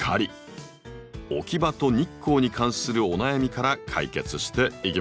置き場と日光に関するお悩みから解決していきましょう。